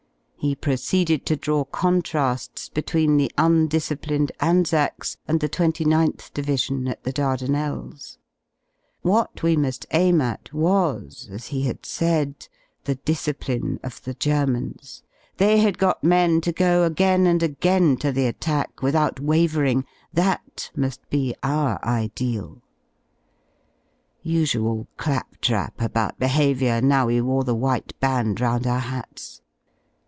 He proceeded \ to draw contrails between the undisciplined Jnzacs and the_^ 29 M Division at the Dardanelles. IV hat we muli aim at was, as he had said , the discipline o/H the Germans. They had got men to go again and again to the | attack without wavering; that mu§l be our ideal. Usual clap J trap about behaviour now we wore the white band round our hats.